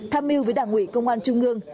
tham mưu với đảng ủy công an trung lương